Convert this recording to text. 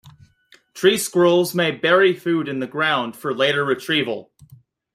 Tree squirrels may bury food in the ground for later retrieval.